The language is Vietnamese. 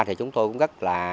thì chúng tôi cũng rất là